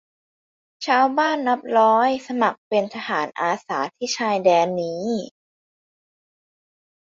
ชาวบ้านนับร้อยสมัครเป็นทหารอาสาที่ชายแดนนี้